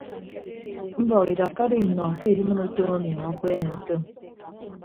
Mbọk idakka do innọ ke edinịm utom emi nọ akpeene ntom.